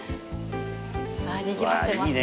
にぎわってますね。